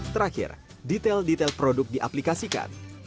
terakhir detail detail produk diaplikasikan